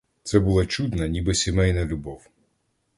Це була чудна, ніби сімейна, любов.